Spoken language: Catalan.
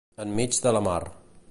Enmig de la mar.